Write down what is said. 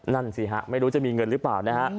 นั่นสิฮะไม่รู้จะมีเงินหรือเปล่านะฮะ